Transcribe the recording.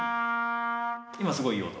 今すごいいい音！